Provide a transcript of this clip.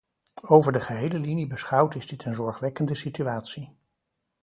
Over de gehele linie beschouwd is dit een zorgwekkende situatie.